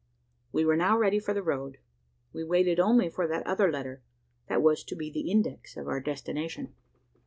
We were now ready for the road. We waited only for that other letter, that was to be the index to our destination.